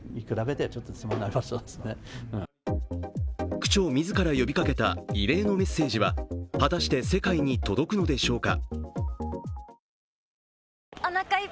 区長自ら呼びかけた異例のメッセージは果たして世界に届くのでしょうか。